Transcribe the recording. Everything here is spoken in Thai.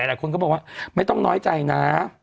หลายคนก็บอกว่าไม่ต้องน้อยใจนะ